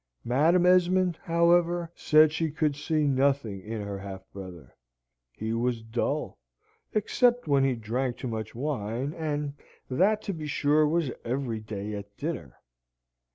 Madam Esmond, however, said she could see nothing in her half brother. He was dull, except when he drank too much wine, and that, to be sure, was every day at dinner.